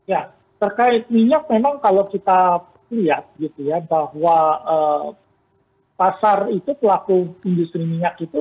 ya terkait minyak memang kalau kita lihat gitu ya bahwa pasar itu pelaku industri minyak itu